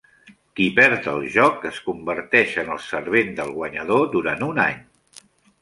Qui perd el joc es converteix en el servent del guanyador durant un any.